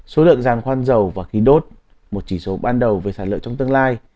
số lượng giàn khoan dầu và khí đốt một chỉ số ban đầu về sản lượng trong tương lai